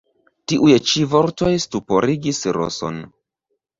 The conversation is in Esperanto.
Tiuj ĉi vortoj stuporigis Roson.